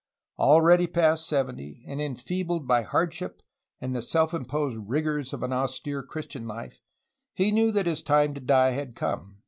Already past seventy and enfeebled by hardship and the self imposed rigors of an austere Christian life, he knew that his time to die had come.